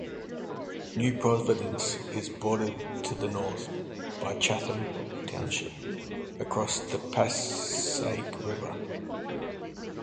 New Providence is bordered to the north by Chatham Township, across the Passaic River.